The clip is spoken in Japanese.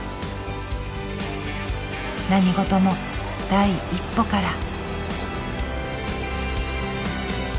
何事も第一歩から。